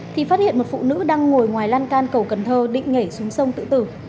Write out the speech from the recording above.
thì phát hiện một phụ nữ đang ngồi ngoài lan can cầu cần thơ định nhảy xuống sông tự tử